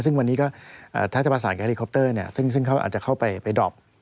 ซึ่งวันนี้ก็ถ้าจะประสานกับเฮลิคอปเตอร์ซึ่งเขาอาจจะเข้าไปดรอป